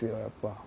やっぱ。